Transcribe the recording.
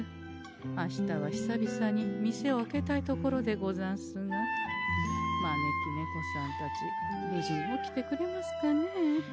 明日は久々に店を開けたいところでござんすが招き猫さんたちぶじに起きてくれますかねえ。